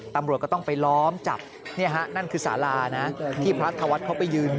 ตำรวจก็ต้องไปล้อมจับนั่นคือสารานะที่พระธวัฒน์เขาไปยืน